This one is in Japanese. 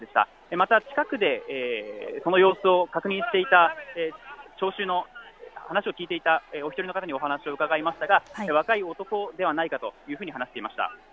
また近くでその様子を確認していた聴衆の話を聞いていたお一人の方に伺いましたが若い男ではないかというふうに話していました。